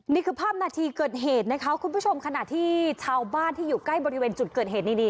นี่คือภาพนาทีเกิดเหตุนะคะคุณผู้ชมขณะที่ชาวบ้านที่อยู่ใกล้บริเวณจุดเกิดเหตุนี่